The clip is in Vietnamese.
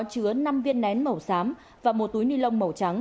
chứa năm viên nén màu xám và một túi nilon màu trắng